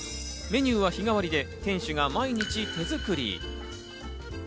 メニューは日替わりで店主が毎日手作り。